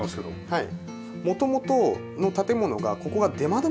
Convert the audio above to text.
はい。